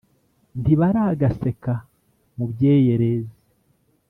ntibaragaseka mu byeyerezi.